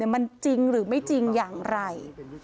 มันจริงหรือไม่จริงอย่างไร